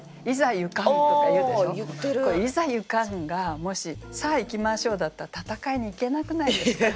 これ「いざ行かん」がもし「さあ行きましょう」だったら戦いに行けなくないですか？